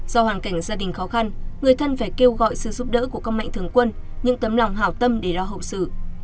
do hoàn cảnh gia đình khó khăn người thân phải kêu gọi sự giúp đỡ của các mạnh thường quân những tấm lòng hảo tâm để lo hậu sự